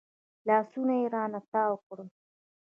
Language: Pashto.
لاسونه يې رانه تاو کړل.